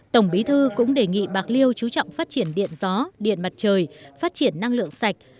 tổng bí thư cũng đề nghị bạc liêu chú trọng phát triển điện gió điện mặt trời phát triển năng lượng sạch